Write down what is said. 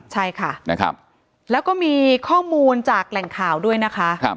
ใช่ค่ะนะครับแล้วก็มีข้อมูลจากแหล่งข่าวด้วยนะคะ